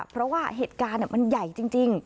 เพราะว่าเหตุการณ์มันใหญ่จริง